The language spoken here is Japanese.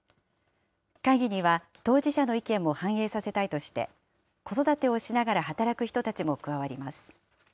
会議には当事者の意見も反映させたいとして、子育てをしながら働く人たちも加わります。